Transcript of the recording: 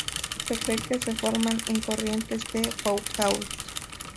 Se cree que se forman en corrientes de Foucault.